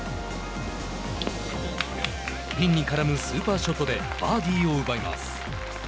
ピンに絡むスーパーショットでバーディーを奪います。